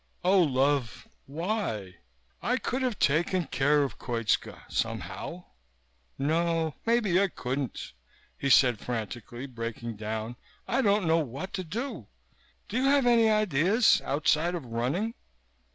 "Oh, love, why? I could have taken care of Koitska somehow No, maybe I couldn't," he said frantically, breaking down. "I don't know what to do. Do you have any ideas outside of running?"